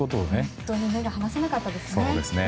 本当に目が離せなかったですね。